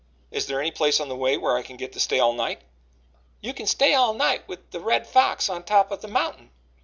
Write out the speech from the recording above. "Is there any place on the way where I can get to stay all night?" "You can stay all night with the Red Fox on top of the mountain."